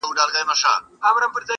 نېكمرغيو ته مي ساندي دي وروړي -